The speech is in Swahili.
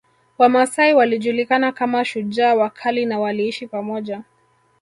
Wamasai walijulikana kama shujaa wakali na waliishi pamoja